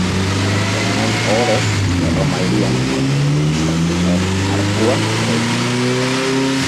Garaipen honen ohorez Erroma hirian Konstantinoren Arkua eraiki zen.